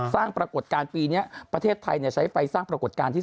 สร้างประกดการปีนี้ประเทศไทยเนี่ยใช้ไฟสร้างประกดการที่